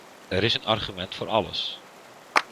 Er is een argument voor alles.